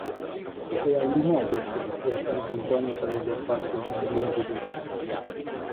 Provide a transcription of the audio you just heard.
È a Limoges che a sant'Antonio sarebbe apparso il Bambino Gesù.